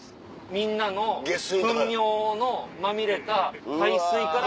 みんなのふん尿のまみれた排水から。